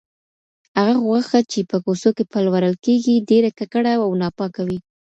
هغه غوښه چې په کوڅو کې پلورل کیږي، ډېره ککړه او ناپاکه وي.